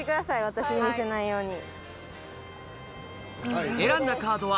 私に見せないように。